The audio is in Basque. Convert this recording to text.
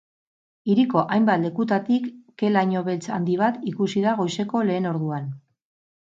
Hiriko hainbat lekutatik ke-laino beltz handi bat ikusi da goizeko lehen orduan.